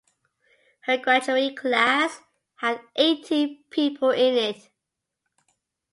Her graduating class had eighteen people in it.